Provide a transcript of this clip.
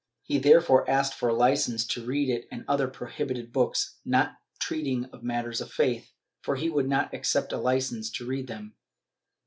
He therefore asked for a licence to read it and other prohibited books not treating of matters of faith, for he would not accept a licence to read them.